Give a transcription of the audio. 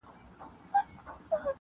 • د خپل زاړه معلم ابلیس مخي ته -